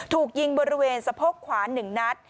ถูกยิงบริเวณสะโพกขวา๑นัด